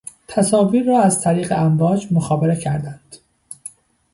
تصاویر را از طریق امواج مخابره کردند